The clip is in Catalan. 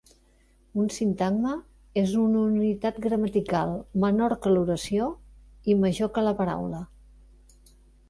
Un sintagma és una unitat gramatical menor que l'oració i major que la paraula.